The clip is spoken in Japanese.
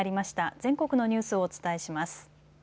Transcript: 全国のニュースをお伝えします。